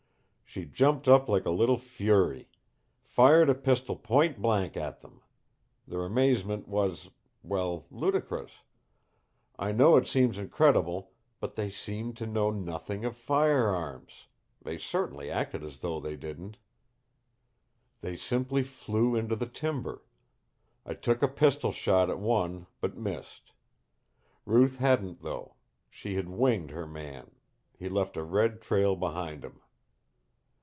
"She jumped up like a little fury. Fired a pistol point blank at them. Their amazement was well ludicrous. I know it seems incredible, but they seemed to know nothing of firearms they certainly acted as though they didn't. "They simply flew into the timber. I took a pistol shot at one but missed. Ruth hadn't though; she had winged her man; he left a red trail behind him.